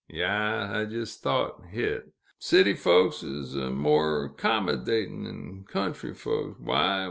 Yaas, I jist thote hit. City folks is a more 'com'dat'n' 'n country folks. Why?